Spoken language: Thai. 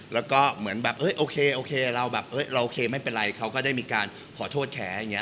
แล้วก็เหมือนแบบโอเคโอเคเราแบบเราโอเคไม่เป็นไรเขาก็ได้มีการขอโทษแขอย่างนี้